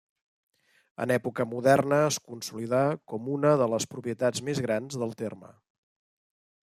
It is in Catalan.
En època moderna es consolidà com una de les propietats més grans del terme.